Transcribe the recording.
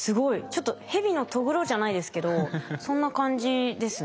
ちょっとヘビのとぐろじゃないですけどそんな感じですね。